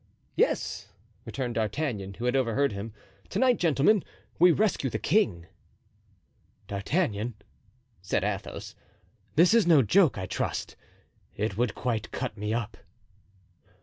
"Yes," returned D'Artagnan, who had overheard him, "to night, gentlemen, we rescue the king." "D'Artagnan," said Athos, "this is no joke, I trust? It would quite cut me up."